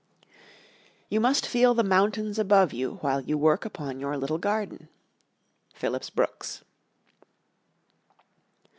"You must feel the mountains above you while you work upon your little garden." _Phillips Brooks.